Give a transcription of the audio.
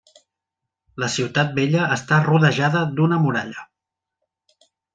La ciutat vella està rodejada d'una muralla.